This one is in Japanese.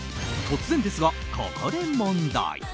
突然ですが、ここで問題！